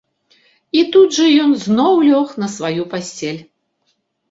- І тут жа ён зноў лёг на сваю пасцель